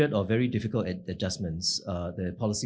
ada perubahan yang sangat sulit